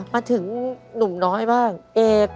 มาถึงหนุ่มน้อยบ้างเอก